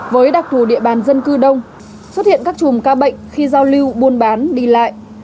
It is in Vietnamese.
với đặc thù địa bàn dân cư đông xuất hiện các chùm ca bệnh khi giao lưu buôn bán đi lại